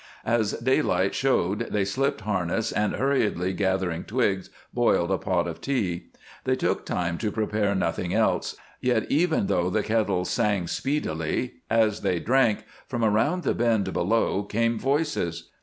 As daylight showed they slipped harness and, hurriedly gathering twigs, boiled a pot of tea. They took time to prepare nothing else, yet even though the kettle sang speedily, as they drank from around the bend below came voices.